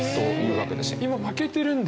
今負けてるんだ。